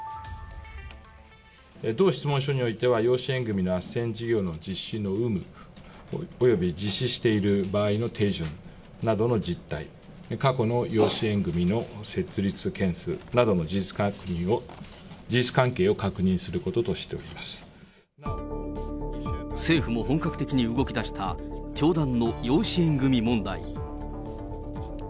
同質問書においては、養子縁組のあっせん事業の実施の有無および実施している場合の手順などの実態、過去の養子縁組の成立件数などの事実関係を確認することとしてお政府も本格的に動きだした、教団の養子縁組問題。